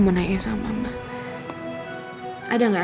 mama minta dia masuk ke tempat yang bahaya